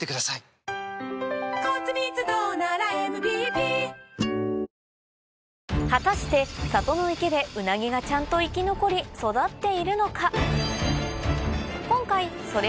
ぷはーっ果たして里の池でウナギがちゃんと生き残り育っているのか？